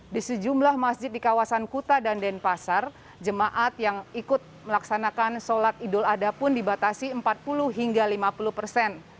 di sejumlah masjid di kawasan kuta dan denpasar jemaat yang ikut melaksanakan sholat idul adha pun dibatasi empat puluh hingga lima puluh persen